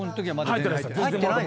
入ってないです。